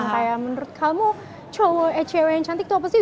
kayak menurut kamu ecw yang cantik itu apa sih